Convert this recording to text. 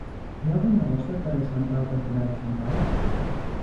Hi ha algun negoci al carrer Sant Pau cantonada Sant Pau?